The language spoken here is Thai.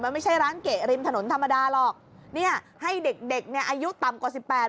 มันไม่ใช่ร้านเกะริมถนนธรรมดาหรอกเนี่ยให้เด็กเด็กเนี่ยอายุต่ำกว่าสิบแปด